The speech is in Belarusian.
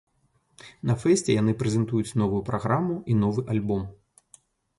На фэсце яны прэзентуюць новую праграму і новы альбом!